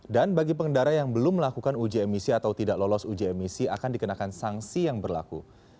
dan bagi pengendara yang belum melakukan uji emisi atau tidak lolos uji emisi akan dikenakan sanksi yang berlaku